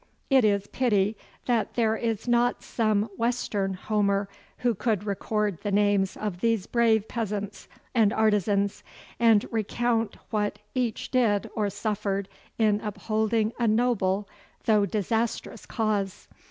It is pity that there is not some Western Homer who could record the names of these brave peasants and artisans, and recount what each did or suffered in upholding a noble though disastrous cause.